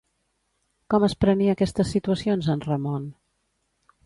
Com es prenia aquestes situacions en Ramon?